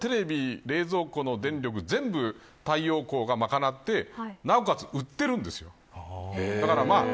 ほとんど、エアコンテレビ、冷蔵庫の電力全部太陽光が賄ってなおかつ売っているんですよ。